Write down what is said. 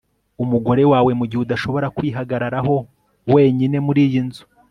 umugore wawe mugihe udashobora kwihagararaho wenyine muriyi nzu